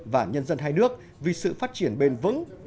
và nhân dân hai nước vì sự phát triển bền vững